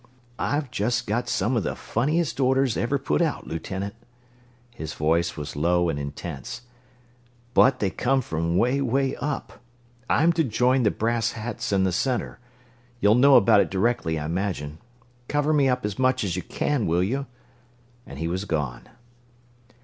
"I've just got some of the funniest orders ever put out, Lieutenant" his voice was low and intense "but they came from 'way, 'way up. I'm to join the brass hats in the Center. You'll know about it directly, I imagine. Cover me up as much as you can, will you?" And he was gone.